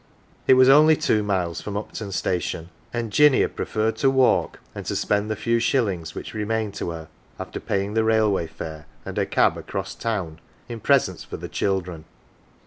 It was only two miles from Upton station, and Jinny had preferred to walk, and to spend the few shillings which remained to her after paying her railway fare and her cab " across town, 1 " in presents for the children.